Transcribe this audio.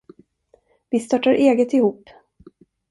Vi startar eget ihop.